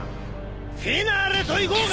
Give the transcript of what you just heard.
フィナーレといこうか！